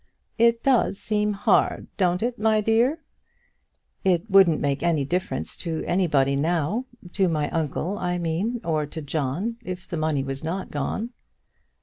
"It does seem hard; don't it, my dear?" "It wouldn't make any difference to anybody now to my uncle, I mean, or to John, if the money was not gone."